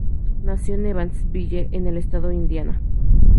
Nació en Evansville, en el estado de Indiana.